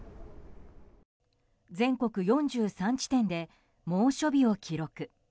全国４３地点で猛暑日を記録。